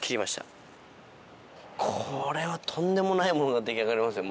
これはとんでもないものが出来上がりますよ